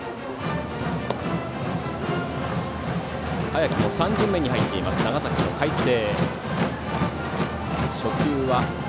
早くも３巡目に入っている長崎の海星。